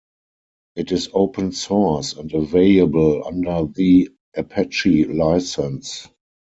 It is open source and available under the Apache License.